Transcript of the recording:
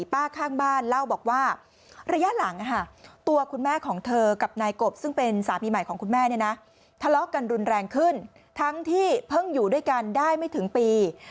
ข้างบ้านเล่าบอกว่าระยะหลังตัวคุณแม่ของเธอกับนายกบซึ่งเป็นสามีใหม่ของคุณแม่เนี่ยนะทะเลาะกันรุนแรงขึ้นทั้งที่เพิ่งอยู่ด้วยกันได้ไม่ถึงปี